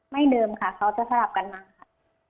เดิมค่ะเขาจะสลับกันมาค่ะ